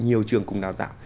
nhiều trường cùng đào tạo